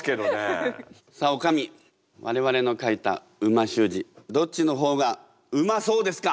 さあおかみ我々の書いた美味しゅう字どっちの方がうまそうですか？